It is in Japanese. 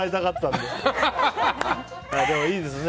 でも、いいですね。